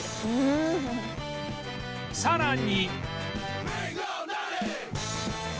さらに